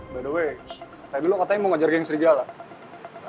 by the way tadi lo katanya mau ngajar geng serigala